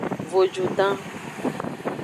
Vojudan.